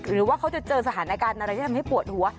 หรือว่าเขาจะเจอสถานการณ์อะไรที่ทำให้ปวดหัว